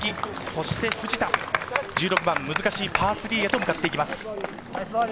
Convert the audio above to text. そして藤田、１６番、難しいパー３へと向かっていきます。